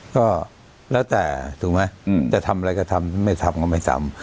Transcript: ก็แล้วแต่ถูกไหมจะทำอะไรก็ทำไม่ทำก็ไม่ทำ